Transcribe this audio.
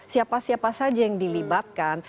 siapa siapa saja yang dilibatkan